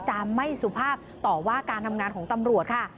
จะไม่สุภาพต่อว่าการทำงานของตำรวจค่ะ